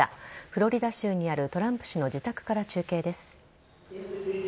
フロリダ州にあるトランプ氏の自宅から中継です。